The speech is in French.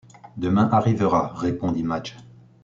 Demain arrivera », répondit Madge.